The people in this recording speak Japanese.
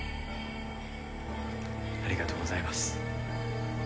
ありがとうございます。